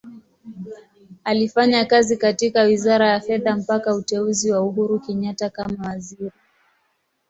Alifanya kazi katika Wizara ya Fedha mpaka uteuzi wa Uhuru Kenyatta kama Waziri.